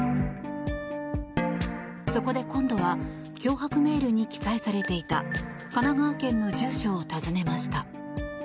そこで今度は脅迫メールに記載されていた神奈川県の住所を訪ねました。